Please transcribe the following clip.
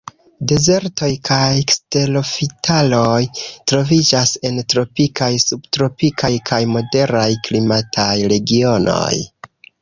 Dezertoj kaj kserofitaroj troviĝas en tropikaj, subtropikaj, kaj moderaj klimataj regionoj.